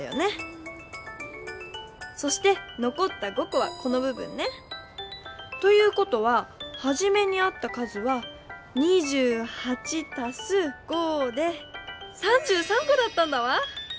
そしてのこった５こはこのぶ分ね。ということははじめにあった数は２８たす５で３３こだったんだわ！